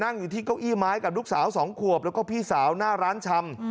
อยู่ที่เก้าอี้ไม้กับลูกสาว๒ขวบแล้วก็พี่สาวหน้าร้านชำ